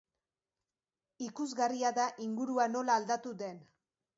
Ikusgarria da ingurua nola aldatu den.